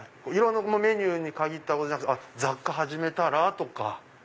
メニューに限ったことじゃなくて雑貨始めたら？とか。